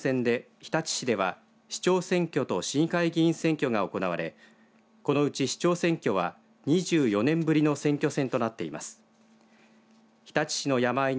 統一地方選挙の後半戦で日立市では市長選挙と市議会議員選挙が行われこのうち市長選挙は２４年ぶりの選挙戦となっています。